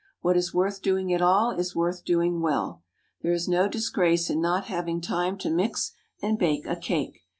What is worth doing at all is worth doing well._ There is no disgrace in not having time to mix and bake a cake.